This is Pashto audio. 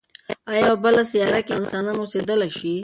ایا په بله سیاره کې انسانان اوسېدای شي؟